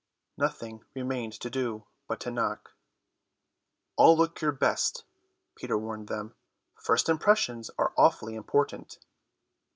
Nothing remained to do but to knock. "All look your best," Peter warned them; "first impressions are awfully important."